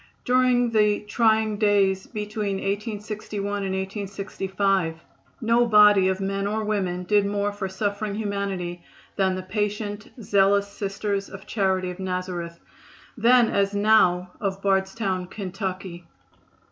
During the trying days between 1861 and 1865 no body of men or women did more for suffering humanity than the patient, zealous Sisters of Charity of Nazareth, then, as now, of Bardstown, Kentucky.